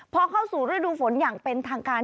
เพราะเข้าสู่ฤทธธิ์ฝนอย่างเป็นทางการ